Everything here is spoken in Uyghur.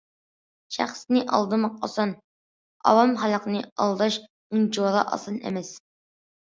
شەخسنى ئالدىماق ئاسان، ئاۋام- خەلقنى ئالداش ئۇنچىۋالا ئاسان ئەمەس.